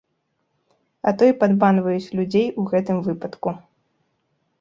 А то і падманваюць людзей ў гэтым выпадку.